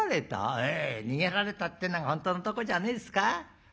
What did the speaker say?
「ええ逃げられたってのが本当のとこじゃねえですか。